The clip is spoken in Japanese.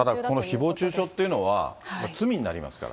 このひぼう中傷っていうのは、罪になりますから。